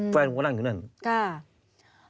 แฟนผมก็นั่งอยู่นั่นค่ะ